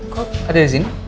kok ada di sini